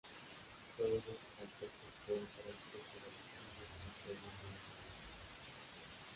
Todos estos aspectos pueden ser objeto del estudio de criterios del drenaje.